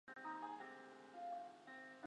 距离克利夫兰约一小时半的车程。